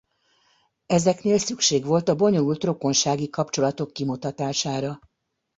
Ezeknél szükség volt a bonyolult rokonsági kapcsolatok kimutatására.